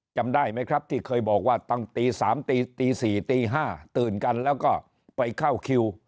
จำได้ไหมครับที่เคยบอกว่าตั้งตี๓ตี๔ตี๕ตื่นกันแล้วก็ไปเข้าคิว